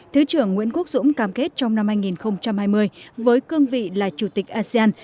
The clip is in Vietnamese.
thứ trưởng nguyễn quốc dũng cam kết trong năm hai nghìn hai mươi với cương vị là chủ tịch asean